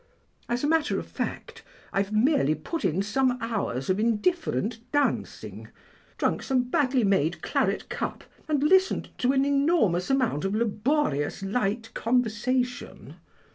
As a matter of fact, I've merely put in some hours of indifferent dancing, drunk some badly made claret cup, and listened to an enormous amount of laborious light conversation.